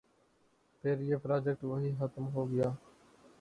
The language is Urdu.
پھر یہ پراجیکٹ وہیں ختم ہو گیا۔